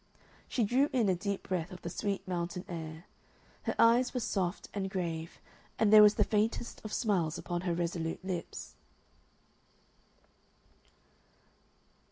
She drew in a deep breath of the sweet mountain air. Her eyes were soft and grave, and there was the faintest of smiles upon her resolute lips.